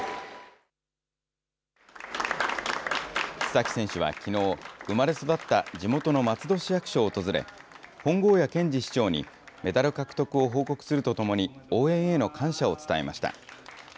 須崎選手はきのう、生まれ育った地元の松戸市役所を訪れ、本郷谷健次市長にメダル獲得を報告するとともに、応援への感謝を伝えました。